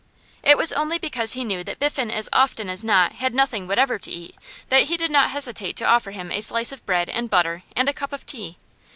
It was only because he knew that Biffen as often as not had nothing whatever to eat that he did not hesitate to offer him a slice of bread and butter and a cup of tea.